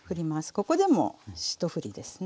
ここでも１ふりですね。